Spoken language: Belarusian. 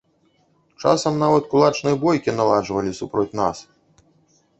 Часам нават кулачныя бойкі наладжвалі супроць нас.